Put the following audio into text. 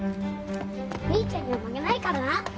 兄ちゃんには負けないからな。